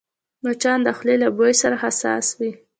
مچان د خولې له بوی سره حساس وي